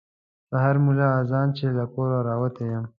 سهار ملا اذان چې له کوره راوتی یم.